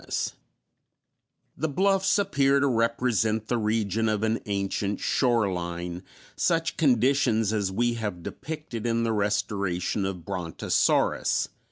] The bluffs appear to represent the region of an ancient shoreline, such conditions as we have depicted in the restoration of Brontosaurus (fig.